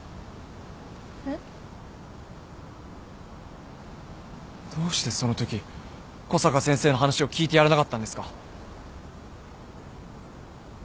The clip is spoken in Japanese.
えっ？どうしてそのとき小坂先生の話を聞いてやらなかったんですか。